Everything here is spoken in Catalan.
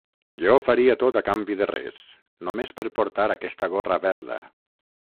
Jo ho faria tot a canvi de res, només per portar aquesta gorra verda.